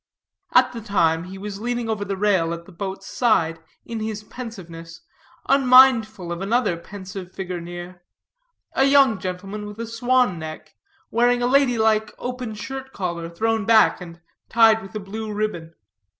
At the time, he was leaning over the rail at the boat's side, in his pensiveness, unmindful of another pensive figure near a young gentleman with a swan neck, wearing a lady like open shirt collar, thrown back, and tied with a black ribbon.